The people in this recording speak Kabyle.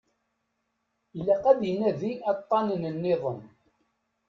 Ilaq ad inadi aṭṭanen nniḍen.